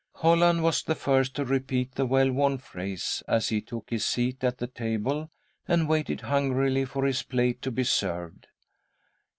Holland was the first to repeat the well worn phrase, as he took his seat at the table, and waited hungrily for his plate to be served.